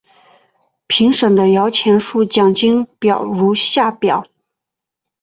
评审的摇钱树奖金表如下表。